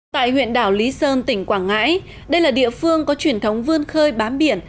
tại huyện đảo lý sơn tỉnh quảng ngãi đây là địa phương có truyền thống vươn khơi bám biển